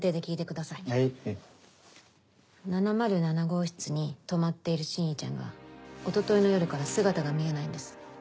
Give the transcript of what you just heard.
７０７号室に泊まっているシンイーちゃんが一昨日の夜から姿が見えないんです。